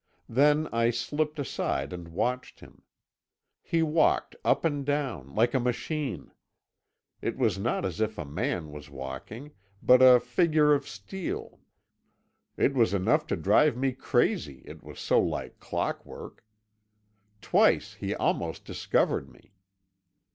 Then I slipped aside and watched him. He walked up and down, like a machine. It was not as if a man was walking, but a figure of steel. It was enough to drive me crazy, it was so like clockwork. Twice he almost discovered me.